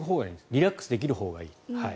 リラックスできるほうがいい。